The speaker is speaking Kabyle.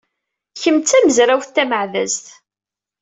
Kemm d tamezrawt tameɛdazt.